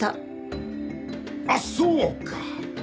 あっそうか！